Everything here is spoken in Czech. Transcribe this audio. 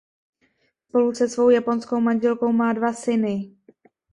Spolu se svou japonskou manželkou má dva syny.